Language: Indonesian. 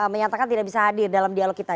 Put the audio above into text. menyatakan tidak bisa hadir dalam dialog kita